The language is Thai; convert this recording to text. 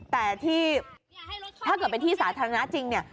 แต่ที่ถ้าเกิดเป็นที่สาธารณะจริงเนี่ย